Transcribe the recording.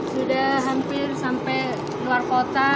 sudah hampir sampai luar kota